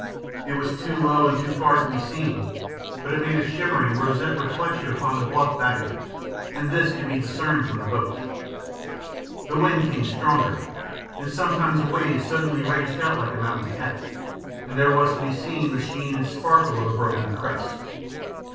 It was too low and too far to be seen, but it made a shimmering, roseate reflection upon the bluff back of it, and this could be discerned from the boat. The wind came stronger, and sometimes a wave suddenly raged out like a mountain cat, and there was to be seen the sheen and sparkle of a broken crest.